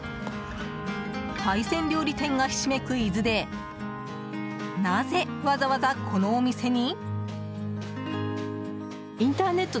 海鮮料理店がひしめく伊豆でなぜわざわざ、このお店に？